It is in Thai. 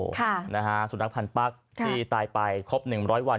สนักพันปั๊กที่ตายไปครบ๑๐๐วัน